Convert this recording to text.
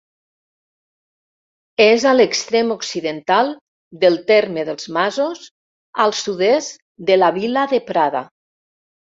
És a l'extrem occidental del terme dels Masos, al sud-est de la vila de Prada.